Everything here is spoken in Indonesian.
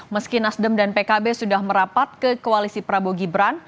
meski nasdem dan pkb sudah merapat ke koalisi prabowo gibran